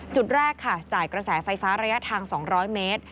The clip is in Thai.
จุดแรกค่ะจ่ายกระแสไฟฟ้าระยะทาง๒๐๐เมตร